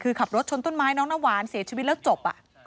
คือขับรถชนต้นไม้น้องน้ำหวานเสียชีวิตแล้วจบ